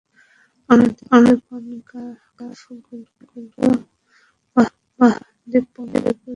অন্যদিকে, CONCACAF gold কাপেও Bahama দ্বীপপুঞ্জ এপর্যন্ত একবারও অংশগ্রহণ করতে সক্ষম হয়নি।